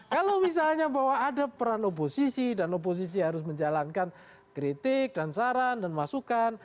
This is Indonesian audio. kalau misalnya bahwa ada peran oposisi dan oposisi harus menjalankan kritik dan saran dan masukan